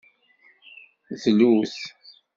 Dlut.